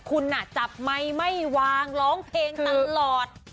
คุณจับไมค์ไม่วางร้องเพลงตลอด